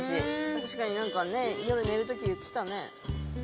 確かになんかね夜寝る時言ってたね。